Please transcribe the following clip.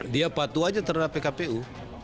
dia patuh aja terhadap pkpu